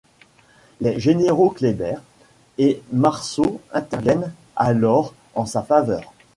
Les généraux Kléber et Marceau interviennent alors en sa faveur.